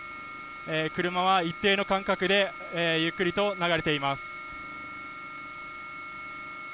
車は一定の間隔でゆっくりと流れています。